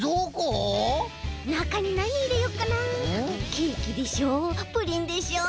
ケーキでしょプリンでしょ